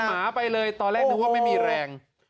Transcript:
หมาไปเลยตอนแรกนึกว่าไม่มีแรง